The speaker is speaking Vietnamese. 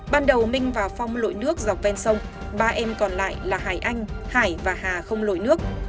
ban đầu minh và phong lội nước dọc ven sông ba em còn lại là hải anh hải và hà không lội nước